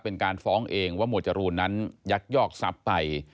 เป็นการฟ้องเองว่าหมวดจรูนนั้นยักยอกทรัพย์ไป